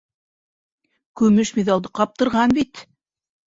Көмөш миҙалды ҡаптырған бит!